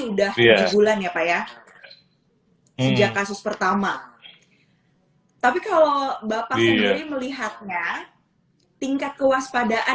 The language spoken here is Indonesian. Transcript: sudah di bulan ya pak ya sejak kasus pertama tapi kalau bapak sendiri melihatnya tingkat kewaspadaan